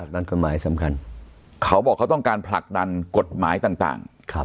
นั่นกฎหมายสำคัญเขาบอกเขาต้องการผลักดันกฎหมายต่าง